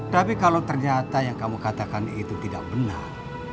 tapi kalau ternyata yang kamu katakan itu tidak benar